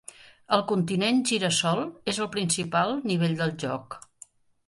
El Continent Gira-sol és el principal nivell del joc.